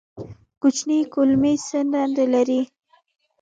کوچنۍ کولمې څه دنده لري؟